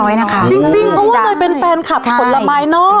จริงจริงก็ว่าหน่อยเป็นแฟนคลับที่ผลละล้าไม้นอก